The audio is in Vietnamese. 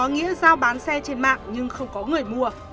nghĩa giao bán xe trên mạng nhưng không có người mua